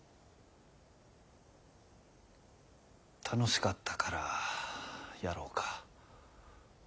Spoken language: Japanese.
楽しかったからやろかぁ。